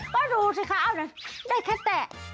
เพราะดูสิคะได้แค่แตะ